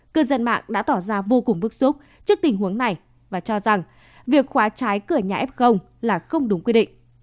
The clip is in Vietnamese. cư dân mạng đã tỏ ra vô cùng bức xúc trước tình huống này và cho rằng việc khóa trái cửa nhà f là không đúng quy định